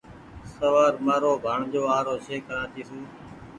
شوآر مآرو ڀآڻيجو آ رو ڇي ڪرآچي سون